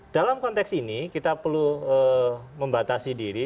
dalam konteks ini kita perlu membatasi diri